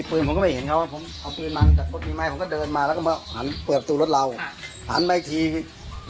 ผมก็เดินมาแล้วก็หันเปิดสู่รถเราหันไปกีกดสิ่ง